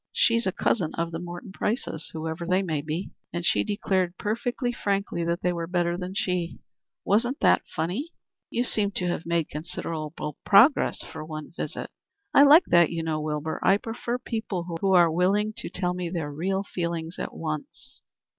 She's a cousin of the Morton Prices, whoever they may be, and she declared perfectly frankly that they were better than she. Wasn't it funny?" "You seem to have made considerable progress for one visit." "I like that, you know, Wilbur. I prefer people who are willing to tell me their real feelings at once."